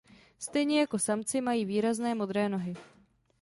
Stejně jako samci mají výrazné modré nohy.